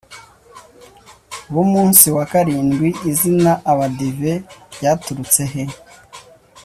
bumunsi wakarindwi izina abadive ryaturutse he